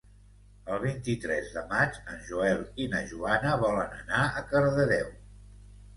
El vint-i-tres de maig en Joel i na Joana volen anar a Cardedeu.